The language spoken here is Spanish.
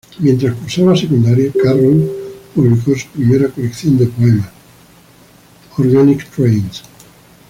Mientras cursaba secundaria, Carroll publicó su primera colección de poemas: "Organic Trains".